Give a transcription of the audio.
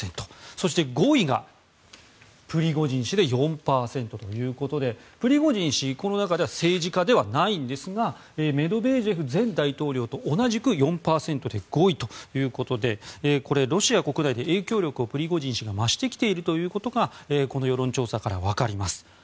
そして５位がプリゴジン氏で４％ということでプリゴジン氏、この中では政治家ではないんですがメドベージェフ前大統領と同じく４％で５位ということでこれ、ロシア国内で影響力をプリゴジン氏が増してきているということがこの世論調査からわかります。